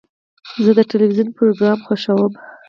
زه د تلویزیون پروګرام خوښوم.